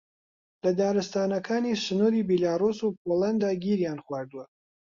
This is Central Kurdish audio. لە دارستانەکانی سنووری بیلاڕووس و پۆڵەندا گیریان خواردووە